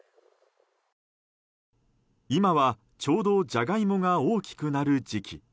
今は、ちょうどジャガイモが大きくなる時期。